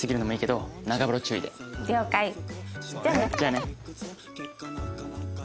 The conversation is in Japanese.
じゃあね！